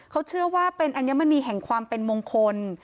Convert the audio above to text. เขาเชื่อว่าเป็นอัญมณีแห่งความเป็นมงคล